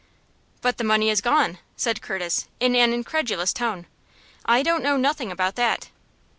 "But the money is gone," said Curtis, in an incredulous tone. "I don't know nothing about that."